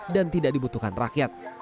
dan tidak dibutuhkan rakyat